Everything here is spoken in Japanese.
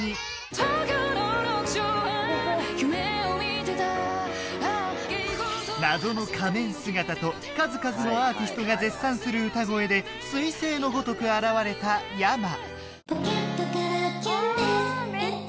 東京の６畳半夢を見てた謎の仮面姿と数々のアーティストが絶賛する歌声で彗星のごとく現れた ｙａｍａ